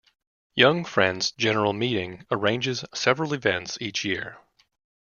Young Friends General Meeting arranges several events each year.